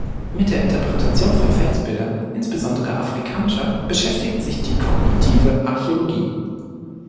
Mit der Interpretation von Felsbildern, insbesondere afrikanischer, beschäftigt sich die kognitive Archäologie.